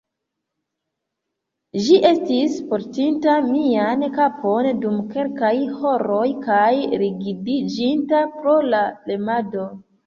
Ĝi estis portinta mian kapon dum kelkaj horoj, kaj rigidiĝinta pro la premado.